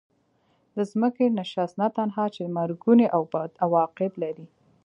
د ځمکې نشست نه تنها چې مرګوني او بد عواقب لري.